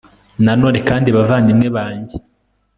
nanone kandi bavandimwe banjye